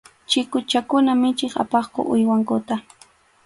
Chikuchakuna michiq apaqku uywankuta.